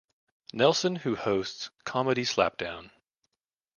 Nelson, who hosts "Comedy Slapdown".